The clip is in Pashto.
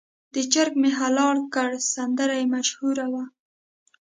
د چرګ مې حلال کړ سندره یې مشهوره وه.